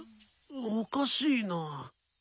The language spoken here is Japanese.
おかしいな。